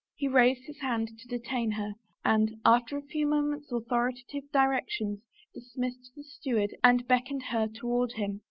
He raised his hand to' detain her and, aftei a few moment's authoritative directions, dismissed the steward and beckoned her toward him.